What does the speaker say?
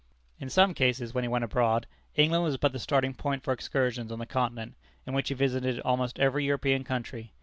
In some cases when he went abroad, England was but the starting point for excursions on the Continent, in which he visited almost every European country.